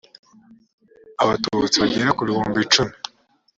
abatutsi bagera ku bihumbi icumi